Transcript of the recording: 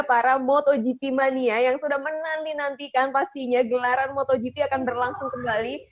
para motogp mania yang sudah menanti nantikan pastinya gelaran motogp akan berlangsung kembali